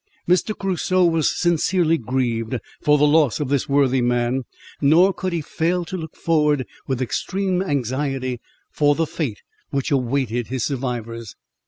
Mr. Crusoe was sincerely grieved for the loss of this worthy man, nor could he fail to look forward with extreme anxiety for the fate which awaited his survivors.